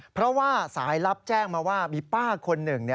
เพราะว่าสายรับแจ้งมาว่ามีป้าคนหนึ่ง